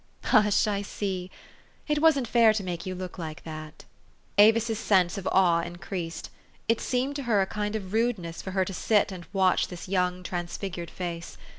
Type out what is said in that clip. Hush ! I see. It wasn't fair to make you look like that." Avis's sense of awe increased. It seemed to her a kind of rudeness for her to sit and watch this young, transfigured face.